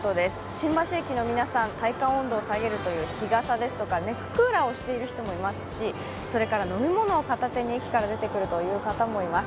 新橋駅の皆さん、体感温度を遮るという日傘ですとか、ネッククーラーをしている人もいますし、飲み物を片手に駅から出てくる方もいます。